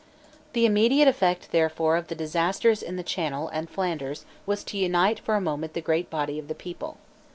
The immediate effect therefore of the disasters in the Channel and in Flanders was to unite for a moment the great body of the people.